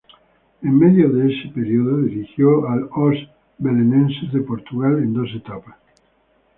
En medio de ese periodo, dirigió al Os Belenenses de Portugal en dos etapas.